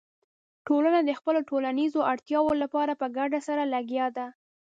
ټولنه د خپلو ټولنیزو اړتیاوو لپاره په ګډه سره لګیا ده.